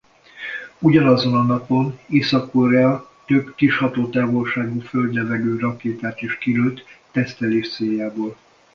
Ugyanazon a napon Észak-Korea több kis hatótávolságú föld–levegő rakétát is kilőtt tesztelés céljából.